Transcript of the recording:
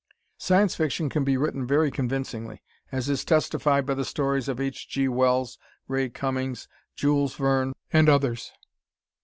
Science Fiction can be written very convincingly, as is testified by the stories of H. G. Wells, Ray Cummings, Jules Verne, and others.